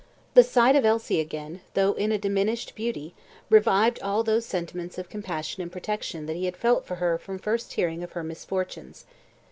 The sight of Elsie again, though in diminished beauty, revived all those sentiments of compassion and protection that he had felt for her from first hearing of her misfortunes.